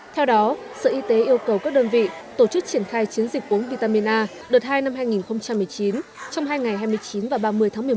theo đó sở y tế yêu cầu các đơn vị tổ chức triển khai chiến dịch uống vitamin a đợt hai năm hai nghìn một mươi chín trong hai ngày hai mươi chín và ba mươi tháng một mươi một